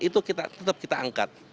itu tetap kita angkat